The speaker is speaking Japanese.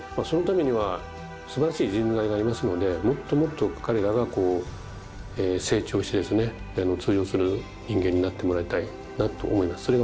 そのためにはすばらしい人材がいますのでもっともっと彼らが成長してですね通用する人間になってもらいたいなと思います。